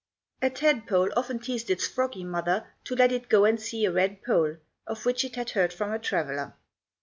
"A tadpole often teased its froggy mother to let it go and see a red pole, of which it had heard from a traveller.